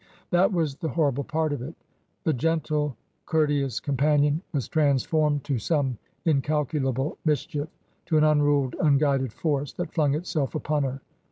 That was the horrible part of it. The gentle, courte ous companion was transformed to some incalculable mischief, to an unruled, unguided force that flung itself upon her.